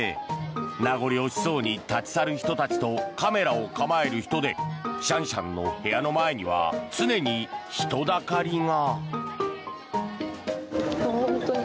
名残惜しそうに立ち去る人たちとカメラを構える人でシャンシャンの部屋の前には常に人だかりが。